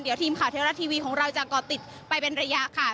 เดี๋ยวทีมข่าวเทวรัฐทีวีของเราจะก่อติดไปเป็นระยะค่ะ